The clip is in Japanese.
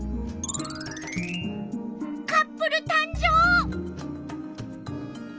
カップルたん生！